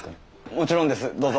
もちろんですどうぞ。